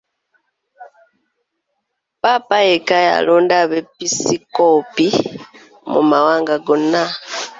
Ppaapa yekka y'alonda abeepiskoopi mu mawanga gonna.